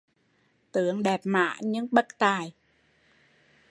Tướng đẹp mã nhưng bất tài